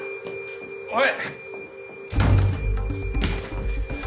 おい！